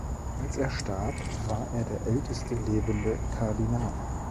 Als er starb, war er der älteste lebende Kardinal.